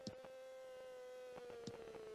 د ښادۍ او غم په حالاتو کې.